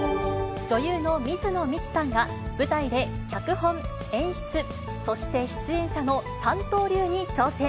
女優の水野美紀さんが、舞台で脚本・演出、そして出演者の三刀流に挑戦。